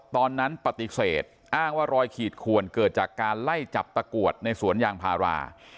ปฏิเสธอ้างว่ารอยขีดขวนเกิดจากการไล่จับตะกรวดในสวนยางพารา